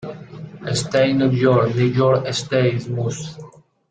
State New York New York State Mus.